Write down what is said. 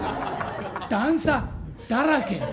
段差だらけ。